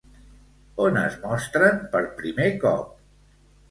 On es mostren per primer cop?